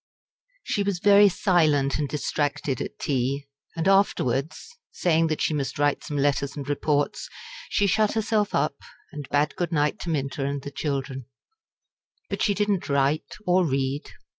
She was very silent and distracted at tea, and afterwards saying that she must write some letters and reports she shut herself up, and bade good night to Minta and the children. But she did not write or read.